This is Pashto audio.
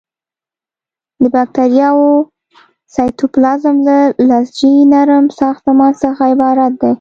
د باکتریاوو سایتوپلازم له لزجي نرم ساختمان څخه عبارت دی.